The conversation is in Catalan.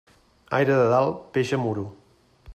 Aire de dalt, peix a Muro.